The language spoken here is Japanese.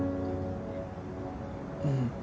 うん。